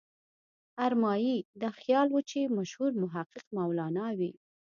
ارمایي دا خیال و چې مشهور محقق مولانا وي.